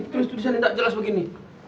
tulis tulis yang gak jelas begini